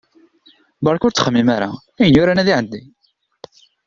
Berka ur ttxemmim ara, ayen yuran ad iɛeddi.